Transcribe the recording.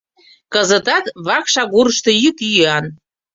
Кызытат вакш агурышто йӱк-йӱан.